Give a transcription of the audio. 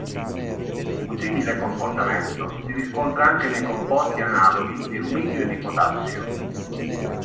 Un simile comportamento si riscontra anche nei composti analoghi di rubidio e di potassio.